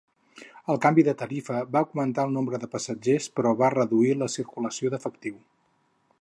El canvi de tarifa va augmentar el nombre de passatgers però va reduir la circulació d'efectiu.